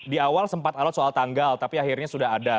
di awal sempat alot soal tanggal tapi akhirnya sudah ada